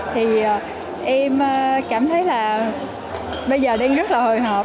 thì em cảm thấy là bây giờ đang rất là hồi hộp